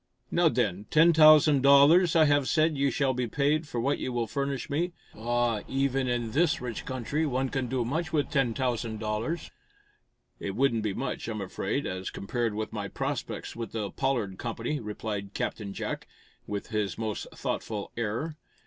Now, then, ten thousand dollars I have said you shall be paid for what you will furnish me. Ah, even in this rich country, one can do much with ten dollars!" "It wouldn't be much, I'm afraid, as compared with my prospects with the Pollard Company," replied Captain Jack, with his most thoughtful air.